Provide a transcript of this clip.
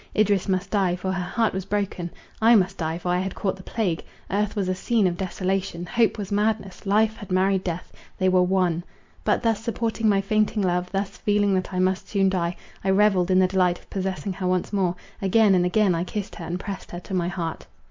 Idris must die, for her heart was broken: I must die, for I had caught the plague; earth was a scene of desolation; hope was madness; life had married death; they were one; but, thus supporting my fainting love, thus feeling that I must soon die, I revelled in the delight of possessing her once more; again and again I kissed her, and pressed her to my heart.